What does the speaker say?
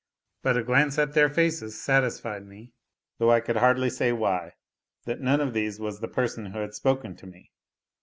But a glance at their faces satisfied me, though I could hardly say why, that none of these was the person who had spoken to me.